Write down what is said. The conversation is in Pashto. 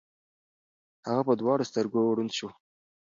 هغه په دواړو سترګو ړوند شو.